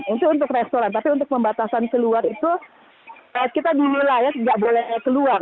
itu untuk restoran tapi untuk pembatasan keluar itu kita dimilai nggak boleh keluar